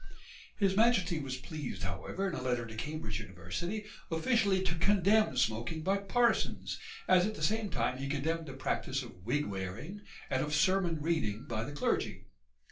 His Majesty was pleased, however, in a letter to Cambridge University, officially to condemn smoking by parsons, as at the same time he condemned the practice of wig wearing and of sermon reading by the clergy.